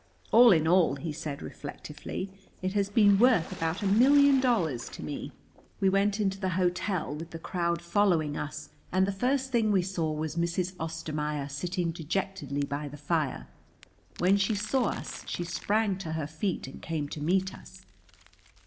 All in all," he said reflectively, "it has been worth about a million dollars to me." We went into the hotel, with the crowd following us, and the first thing we saw was Mrs. Ostermaier, sitting dejectedly by the fire. When she saw us, she sprang to her feet and came to meet us.